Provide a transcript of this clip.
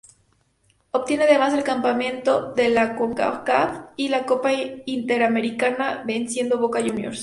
Obtiene además el campeonato de la Concacaf y la Copa Interamericana, venciendo Boca Juniors.